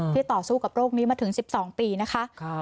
ที่ต่อสู้กับโรคนี้มาถึงสิบสองปีนะคะครับ